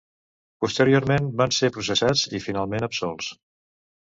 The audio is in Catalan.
Posteriorment van ser processats i finalment absolts.